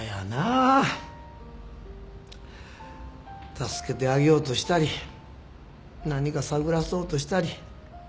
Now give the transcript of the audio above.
助けてあげようとしたり何か探らそうとしたり。